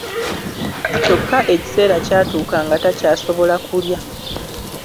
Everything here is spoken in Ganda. Kyokka ekiseera kyatuuka nga takyasobola kulya!